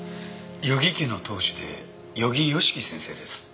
余木家の当主で余木良樹先生です。